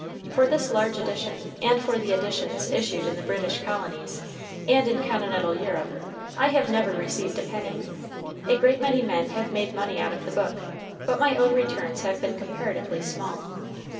For this large edition and for the editions issued in the British colonies and in continental Europe I have never received a penny. A great many men have made money out of the book, but my own returns have been comparatively small.